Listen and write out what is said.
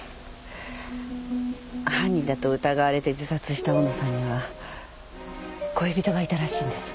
犯人だと疑われて自殺した大野さんには恋人がいたらしいんです。